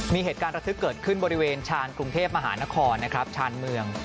มีเหตุการณ์ระทึกเกิดขึ้นบริเวณชาญกรุงเทพมหานครนะครับชานเมือง